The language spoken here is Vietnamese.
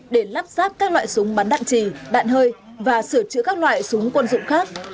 để lắp ráp các loại súng bắn đạn trì đạn hơi và sửa chữa các loại súng quân dụng khác